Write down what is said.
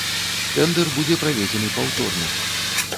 Тэндар будзе праведзены паўторна.